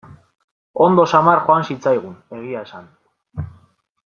Ondo samar joan zitzaigun, egia esan.